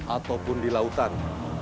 ataupun di lautan